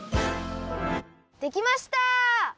できました！